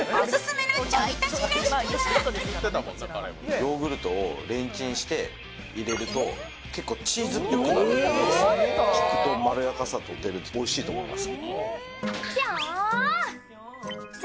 ヨーグルトをレンチンして入れると結構チーズぽくなって、こくとまろやかさが出ておいしいと思います。